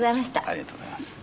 ありがとうございます。